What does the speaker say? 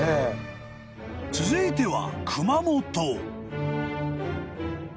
［続いては］